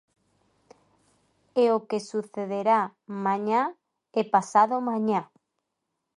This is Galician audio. É o que sucederá mañá e pasadomañá.